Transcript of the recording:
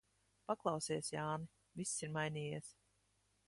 Paklausies, Jāni, viss ir mainījies.